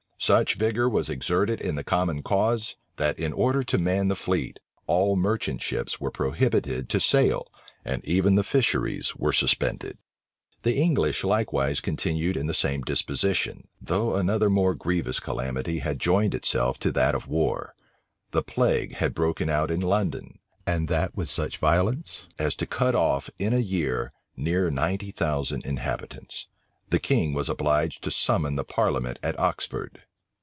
Such vigor was exerted in the common cause, that, in order to man the fleet, all merchant ships were prohibited to sail, and even the fisheries were suspended.[*] * Tromp's Life. D'Estrades February 5, 1665. The English likewise continued in the same disposition, though another more grievous calamity had joined itself to that of war. The plague had broken out in London; and that with such violence as to cut off, in a year, near ninety thousand inhabitants. The king was obliged to summon the Parliament at Oxford.